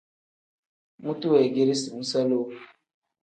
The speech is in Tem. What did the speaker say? Mutu weegeresi muusa lowu.